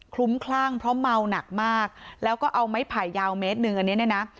ลุ้มคลั่งเพราะเมาหนักมากแล้วก็เอาไม้ไผ่ยาวเมตรหนึ่งอันนี้เนี่ยนะ